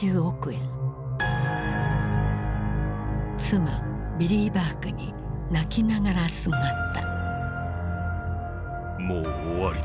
妻ビリー・バークに泣きながらすがった。